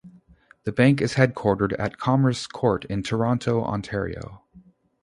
The bank is headquartered at Commerce Court in Toronto, Ontario.